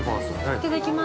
◆いただきます。